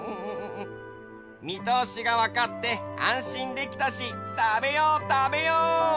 みとおしがわかってあんしんできたしたべようたべよう！